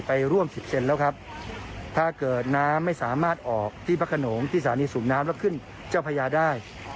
ไปร่วมสิบเซนแล้วครับถ้าเกิดน้ำไม่สามารถออกที่พระขนงที่สถานีสูบน้ำแล้วขึ้นเจ้าพญาได้